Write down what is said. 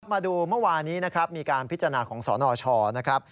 มาดูเมื่อวานี้นะครับมีการพิจารณาของสนชนะครับ